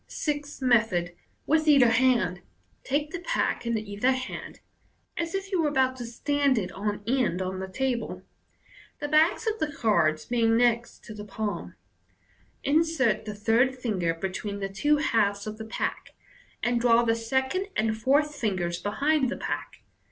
Sixth Method. (With either hand.) — Take the pack in either hand, as if you were about to stand it on end on the table, the Fig. 8. 20 MODERN MAGIC. Fig. backs of the cards being next to the palm. Insert the third finger between the two halves of the pack, and draw the second and fourth fingers behind the pack.